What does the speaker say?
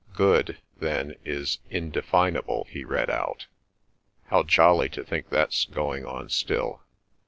"'Good, then, is indefinable,'" he read out. "How jolly to think that's going on still!